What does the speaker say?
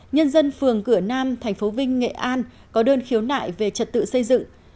nhân dân phường cửa nam tp vinh nghệ an có đơn khiếu nại về trật tự xây dựng